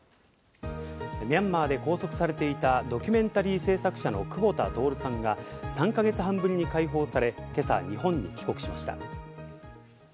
ミャンマーで拘束されていたドキュメンタリー制作者の久保田徹さんが３か月半ぶりに解放され、今朝、日本に帰国しました。